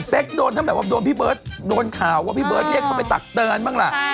โดนทั้งแบบว่าโดนพี่เบิร์ตโดนข่าวว่าพี่เบิร์ตเรียกเขาไปตักเตือนบ้างล่ะ